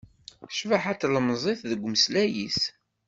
Cbaḥa n tlemẓit deg umeslay-is